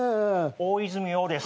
大泉洋です。